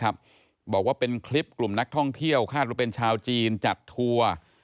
บอกว่าเป็นคลิปกลุ่มนักท่องเที่ยวคาดว่าเป็นชาวจีนจัดทัวร์